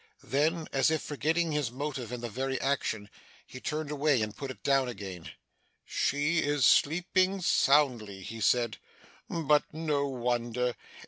Then, as if forgetting his motive in the very action, he turned away and put it down again. 'She is sleeping soundly,' he said; 'but no wonder.